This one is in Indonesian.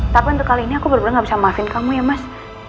tapi untuk kali ini aku benar benar gak bisa maafin kamu ya mas